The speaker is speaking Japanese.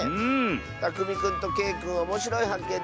たくみくんとけいくんおもしろいはっけん